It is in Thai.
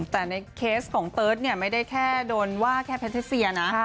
แต่ในเคสของเติร์ทเนี่ยไม่ได้แค่โดนว่าแค่แพทิเซียนะ